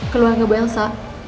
keluar gak bawa elsa